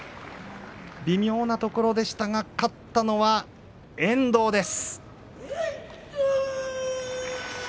微妙なところでしたが勝ったのは遠藤です。